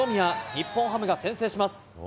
日本ハムが先制します。